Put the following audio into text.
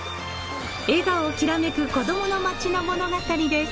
笑顔きらめく子どもの町の物語です。